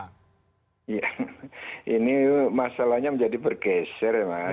iya ini masalahnya menjadi bergeser ya mas